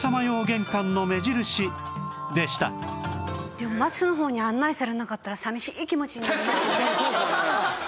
でも松の方に案内されなかったら寂しい気持ちになりますよね。